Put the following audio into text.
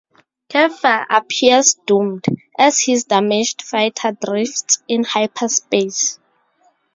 Keffer appears doomed, as his damaged fighter drifts in hyperspace.